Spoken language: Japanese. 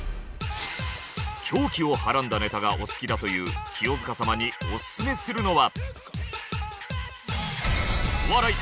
狂気をはらんだネタがお好きだという清塚様にオススメするのは。